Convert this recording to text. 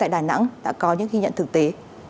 đà nẵng đã có những ghi nhận thực tế